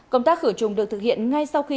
công tác khử trùng được thực hiện ngay sau bệnh viện